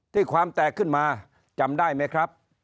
ความแตกขึ้นมาจำได้ไหมครับ